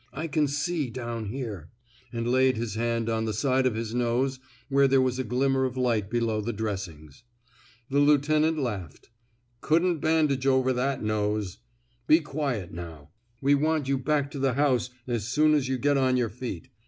I can see down here," and laid his hand on the side of his nose where there was a glimmer of light below the dressings. The lieutenant laughed. Couldn't ban dage over that nose. Be quiet now. We 170 COERIGAN'S PROMOTION want you back to the house as soon^s you get on your feet.